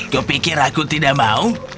kau pikir aku tidak mau